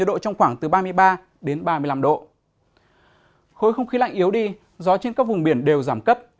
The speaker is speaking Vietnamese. đối với không khí lạnh yếu đi gió trên các vùng biển đều giảm cấp